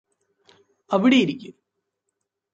അവിടെ ഇരിക്ക്